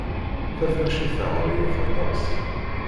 Taferracit-a ɣlayet aṭas.